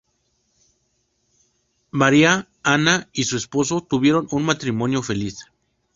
María Ana y su esposo tuvieron un matrimonio feliz.